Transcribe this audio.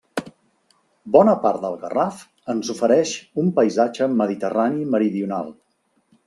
Bona part del Garraf ens ofereix un paisatge mediterrani meridional.